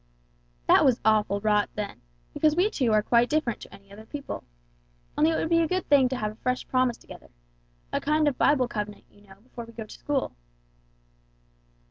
"That was awful rot then, because we two are quite different to any other people. Only it would be a good thing to have a fresh promise together; a kind of Bible covenant, you know, before we go to school."